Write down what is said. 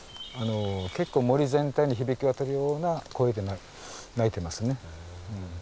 結構森全体に響き渡るような声で鳴いてますね。